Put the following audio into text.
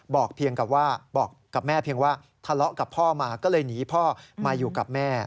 บอกกับแม่เพียงว่าทะเลาะกับพ่อมาก็เลยหนีพ่อมาอยู่กับแม่